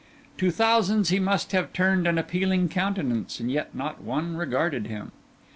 To thousands he must have turned an appealing countenance, and yet not one regarded him.